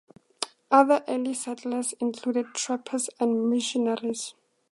Other early settlers included trappers and missionaries.